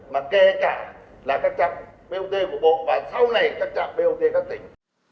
mà kể cả là các trạm bot của bộ và sau này các trạm bot các tỉnh